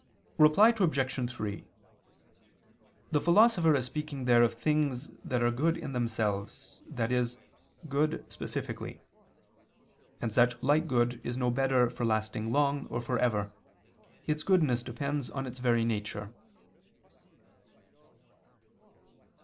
Reply Obj. 3: The Philosopher is speaking there of things that are good in themselves, i.e., good specifically. And such like good is no better for lasting long or for ever: its goodness depends on its very nature.